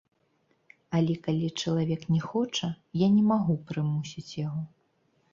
Але калі чалавек не хоча, я не магу прымусіць яго.